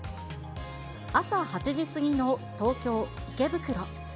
朝８時過ぎの東京・池袋。